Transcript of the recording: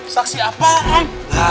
saksi apa om